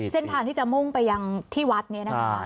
เส้นทางที่จะมุ่งไปยังที่วัดนี้นะคะ